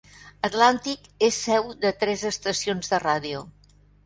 Atlantic és seu de tres estacions de ràdio.